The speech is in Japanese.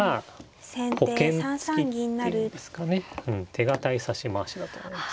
手堅い指し回しだと思います。